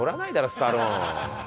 スタローン。